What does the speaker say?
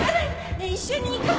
ねえ一緒に行こう。